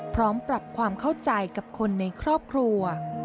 พร้อมปรับความเข้าใจกับคนในครอบครัว